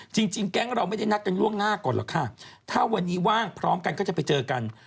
จริงแก๊งเราไม่ได้นัดกันล่วงหน้าก่อนหรอกค่ะถ้าวันนี้ว่างพร้อมกันก็จะไปเจอกัน